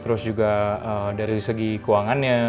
terus juga dari segi keuangannya